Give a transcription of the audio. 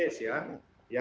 ya itu sudah seles ya